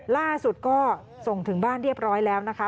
ล่าสุดก็ส่งถึงบ้านเรียบร้อยแล้วนะคะ